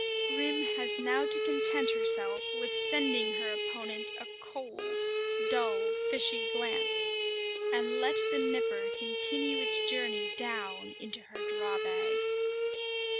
Grim has now to content herself with sending her opponent a cold, dull, fishy glance, and let the Nipper continue its journey down into her draw bag.